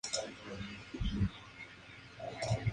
Hacían reuniones para bailar y cantar en torno al día de San Mateo.